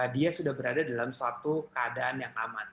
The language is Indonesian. dia sudah berada dalam suatu keadaan yang aman